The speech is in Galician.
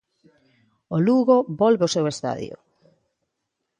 O Lugo volve ao seu estadio.